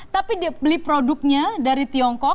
tapi beli produknya dari tiongkok